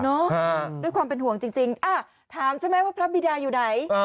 ด้วยความเป็นห่วงจริงถามใช่ไหมว่าพระบิดาอยู่ไหน